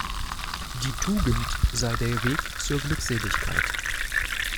Die Tugend sei der Weg zur Glückseligkeit.